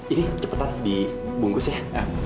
ini cepetan dibungkus ya